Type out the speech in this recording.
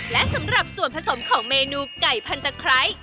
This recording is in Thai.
และสำหรับส่วนผสมของเมนูไก่พันตะไคร้